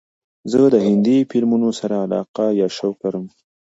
زه د هندې فیلمونو سره علاقه یا شوق لرم.